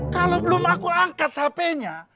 kalau belum aku angkat hp nya